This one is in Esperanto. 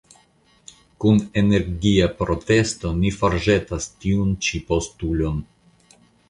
Kun energia protesto ni forĵetas tiun ĉi postulon.